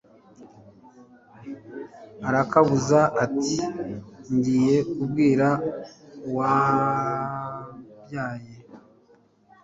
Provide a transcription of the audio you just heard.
arakabuza ati ngiye kubwira uwambyaye